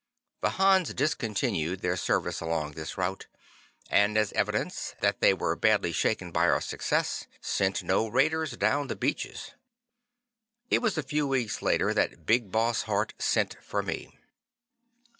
The Hans discontinued their service along this route, and as evidence that they were badly shaken by our success, sent no raiders down the Beaches. It was a few weeks later that Big Boss Hart sent for me.